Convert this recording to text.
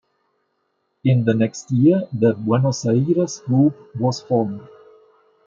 In the next year the Buenos Aires group was formed.